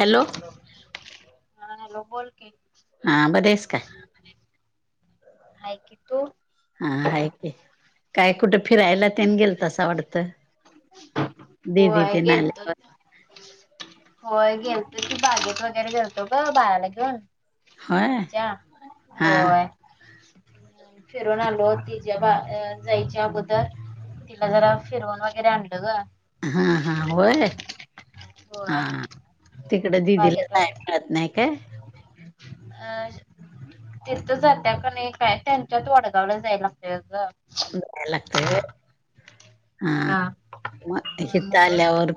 Hello. हा hello बोल की. हा बरी आहेस काय? हा की तू? आ हयकी काय कुठे फिरायला तेन गेल तसं आवडत? दीदी होय ते नाही. गेलतो. होय गेलतो की बागेत वगैरे घेलतो ग बाळाला घेऊन. होय लीच्या हा होय. फिरून आलो तिच्या बा जायच्या अगोदर जरा फिरवून वगैरे आणलंग. हा हा वय. हा होय तिकडं दिदीला बागेत जाय वगैरे मिळत नाही काय? [inaudible] तिथ जात्या का नाही काय त्यांच्यात वडगावला जाय लागत. या लागते व. हा मग हित म्हणून आल्यावर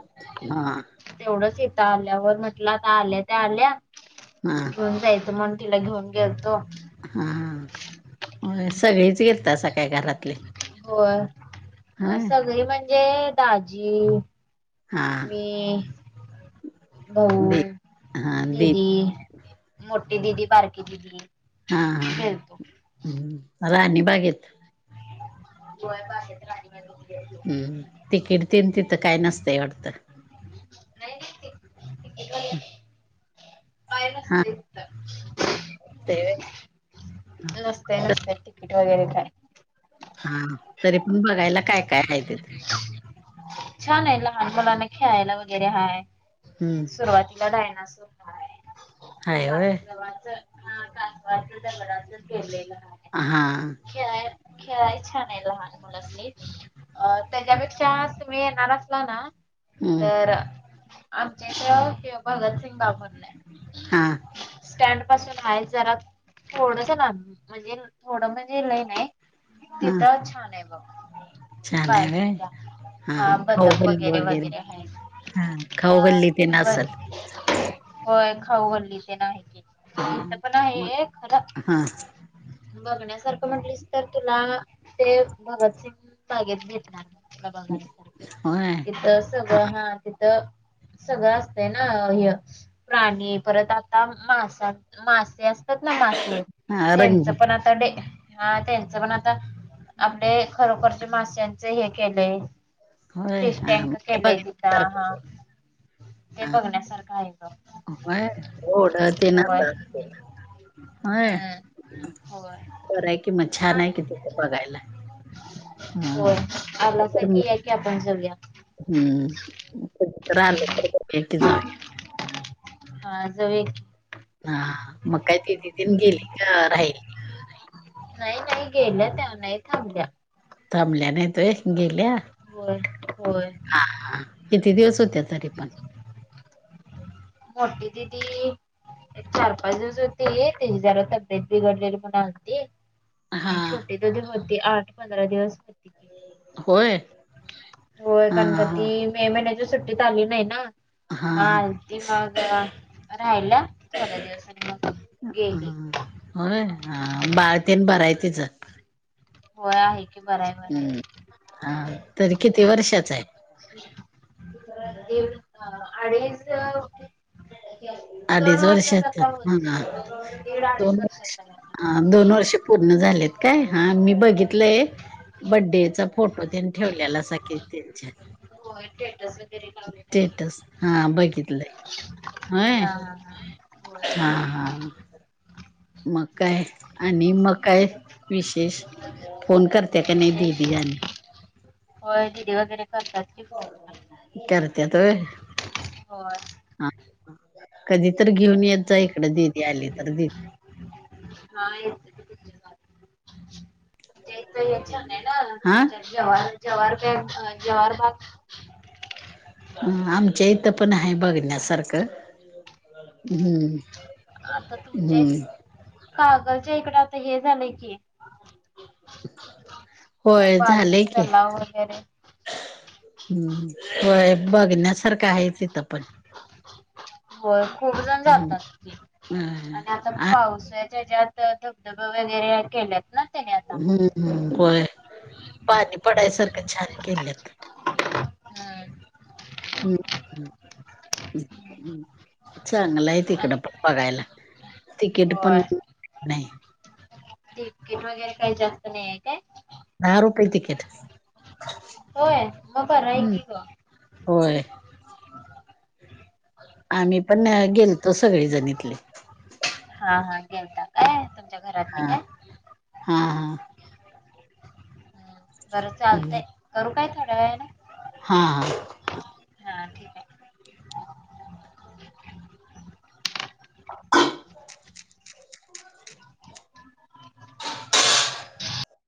हा. तेवढंच येतं आल्यावर म्हटलं आता आल्या त्या आल्या हा घेऊन जायचं म्हण. तिला घेऊन गेलतो. हा हो सगळीच गेलतास काय घरातले. होय सगळी म्हणजे दाजी, हा मी. भाऊ, दि हा दि दीदी, मोठी दिदी, बारकी दिदी हा हा गेलतो. हम्म राणी बागेत. होय बाहेर राणी बागेत गेलतो. हम्म तिकिडतेन तिथं काय नसतंय वाटतं? नाही, नाही तिकिट पाय नसत तर. [inaudible] ते. नसते नसते तिकीट वगैरे काय. हा तरी पण बघायला काय काय आहे ते. [inaudible] छान आहे लहान मला नाही खेळायला वगैरे हाय. हम्म. सुरुवातीला डायनासोर हाय होय कावाच. [unintelligible] हा कासवाच दगडांच केेलेलं आहे. हा. खेळाय खेळाय छान आहे लहान मुलाली अ त्याच्यापेक्षा मी येनार असल ना, हम्म तर आमच्या इथ ह्यो भगतसिंग बाबर नाय.. हा. स्टँड पासून आहे जरा थोडस लांब म्हणजे थोडं म्हणजे लई नई हा तिथं छान आहे बघ छान आहे होय बागिक. [unintelligible] हा बंदक वगैरे. हा वगैरेआहेत. खाऊ हा गल्ली तेन बर. असल होय खाऊ गल्ली ते नाही की हा इथ पण मग आहे खर. हा बघण्या सारखं म्हटलीस तर तुला ते भगतसिंगून बागेत भेटणार. बघ. [unintelligible] होय. तिथ सगळं हा तिथं. सगळं असतं ना हे प्राणी परत आता मासात मासे अस. असतात ना, मासे हा त्यांच रंगीत पण. त डे हा त्यांचं पण आता आपले खरोखरच्या माश्यांच हे केलंय. होय फिश हा टँक केलंय तिथं बघाारख. हा [unintelligible] ते हा बघण्यासारखं आहे बघ. व्हय [unintelligible] रड ते ना. होय होय हम्म होय पर हाय कि म छान आहे किती बघायला. अ. [inaudible] होय आपलासा [unintelligible] क या की आपण जाऊया. हम्म राहिली [unintelligible] की जाऊ या. हा जाऊया की. हा मग काय ती तिथन गेली का राहिली. नाही नाही गेल्या त्या नाही थांबल्या. थांबल्या नाही तुय गेल्या. होय होय. हा किती दिवस होते तरी पण? मोठ्ठी दिदी. एक, चार, पाच दिवस होते तेजी जरा तब्येत बिघडलेली म्हणावती. हा आणि छोटी दीदीहोती आठ पंधरा दिवस. होय होय हा गणगती मे महिन्याच्या सुट्टीत आली नाही ना हा ऊ मग राहयला थोड्या दिवसा मग हा गेले. होय बाळतेन बरायतीच. होय आहे की बराय बराय. हम्म हा तर किती वर्षाच आहे. [unintelligible] अडीच. दोन अडीच वर्षात वर्षाचा आता होतय हा होय दीड अडीच दोन वर्ष वर्षात आहे. ह दोन वर्षे पूर्ण झालेत काय हा मी बघितलंय. बर्थडेचा फोटो तेन ठेवलेलासा की त्यांच्या. होय टेटस स्टेटस हा बघितलंय होय. [inaudible] हा हा. मकाय आणि मकाय विशेष. फोन करत्या क नाही विशेष दिवीयानि होय दिदी वगैरे करतात. की फोन मला. करत्यात व्हय. होय हा कधी तर घेऊन येत जा इकडे दीदी आली तर. हा येते. तुमच्या इ हे छान आहे ना हा तम ज ज्हरग जव्हरबाग. हम आमच्या इथं पण आहे बघण्यासारखं हम्म. आता तुमच्या हम्म कागलच्या इकडे आता हे झालंय की, होय पाझर झालंय की तलाव वगैरे. हम्म हम, बघण्यासारखं आहे तिथं पण. होय खूप जण जातात. हम्म ते आणि आता हा पाऊस आहे. तेजात धबधब वगैरे केल्यात ना? त्याने आता. हम्मम्! होय पाणी पडायसारखं छान केलंत. हम [unintelligible] चांगलय. तिकडं आणि पण बघायला तिकीट पण होय नाही. तिकीट वगैरे काही जास्त नाही आहेे काय? दहा रुपये टिकट. होय मग बर की ग! होय. आम्ही पण गेलतो सगळेजण इथले. हा हा, गेलता काय तुमच्या घरातली हा! काय? हा, हा हम्म, बरं चालतंय करू काय थोड्या वेळन. हा, हा. हा ठीक हाय. [inaudible] [inaudible]